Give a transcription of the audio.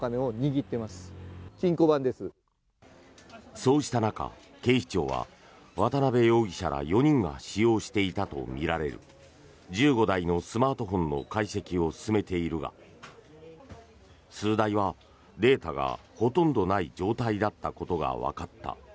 そうした中、警視庁は渡邉容疑者ら４人が使用していたとみられる１５台のスマートフォンなどの解析を進めているが数台はデータがほとんどない状態だったことがわかった。